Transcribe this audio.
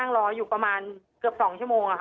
ตอนที่จะไปอยู่โรงเรียนจบมไหนคะ